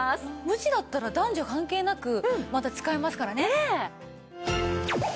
無地だったら男女関係なく使えますからね。